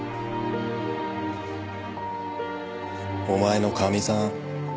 お前のカミさん